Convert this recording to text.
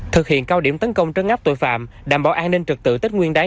thực hiện cao điểm tấn công trấn áp tội phạm đảm bảo an ninh trực tự tích nguyên đáy